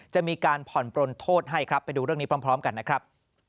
จะมีการผ่อนปลนโทษให้ครับไปดูเรื่องนี้พร้อมกันนะครับ